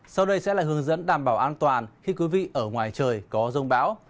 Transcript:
sau đây sẽ là hướng dẫn đảm bảo an toàn khi quý vị ở ngoài trời có rông bão